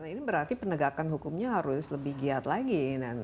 ini berarti penegakan hukumnya harus lebih giat lagi